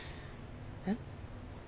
えっ？